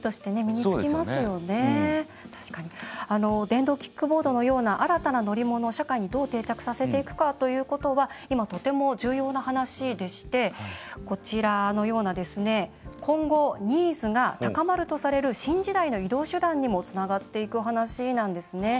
電動キックボードのような新たな乗り物社会にどう定着させていくかということは今とても重要な話でしてこちらのような今後ニーズが高まるとされる新時代の移動手段にもつながっていく話なんですね。